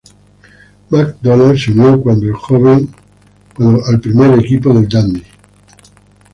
McDonald se unió cuando joven al primer equipo del Dundee.